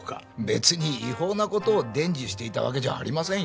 別に違法な事を伝授していたわけじゃありませんよ。